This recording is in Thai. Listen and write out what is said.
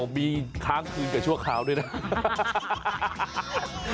มีค้างคืนกับชั่วคราวด้วยนะ